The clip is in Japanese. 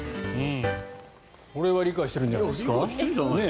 これは理解してるんじゃないですか？